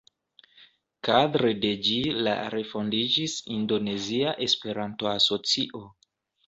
Kadre de ĝi la refondiĝis Indonezia Esperanto-Asocio.